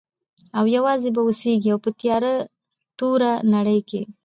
او یوازي به اوسیږي په تیاره توره نړۍ کي.